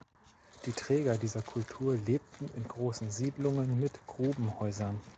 Die Träger dieser Kultur lebten in großen Siedlungen mit Grubenhäusern.